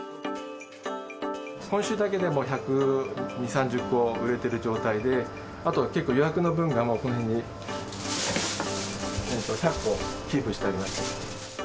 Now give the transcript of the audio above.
今週だけでも１２０、３０個売れてる状態で、あと、結構予約の分が、もうこの辺に１００個キープしてあります。